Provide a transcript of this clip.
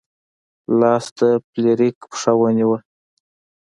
لاس د فلیریک پښه ونیوه.